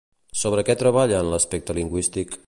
Sobre què treballa en l'aspecte lingüístic?